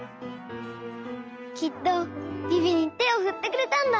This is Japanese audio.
きっとビビにてをふってくれたんだ！